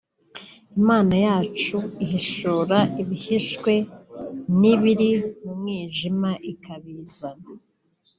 “Imana yacu ihishura ibihishwe n’ibiri mu mwijima ikabizana